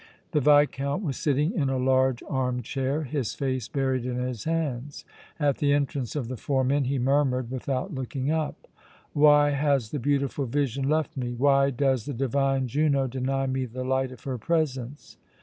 The Viscount was sitting in a large arm chair, his face buried in his hands. At the entrance of the four men he murmured, without looking up: "Why has the beautiful vision left me? Why does the divine Juno deny me the light of her presence?"